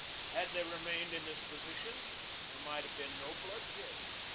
Had they remained in this posi tion there might have been no bloodshed.